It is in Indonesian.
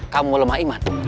kamu lemah iman